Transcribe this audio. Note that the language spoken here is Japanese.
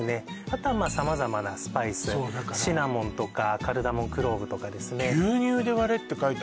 あとはまあ様々なスパイスそうだからシナモンとかカルダモンクローブとかですねはい